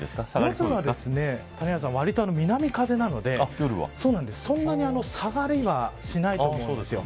夜は、わりと南風なのでそんなに下がりはしないと思います。